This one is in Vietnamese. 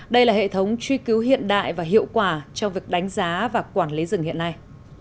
đây là hệ thống truy cứu hiện đại và hiệu quả trong việc đánh giá và quản lý rừng hiện nay